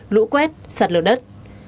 lũ quét sạt lở đất